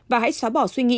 và hãy xóa bỏ suy nghĩ